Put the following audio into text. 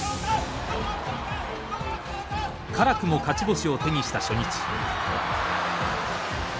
辛くも勝ち星を手にした初日。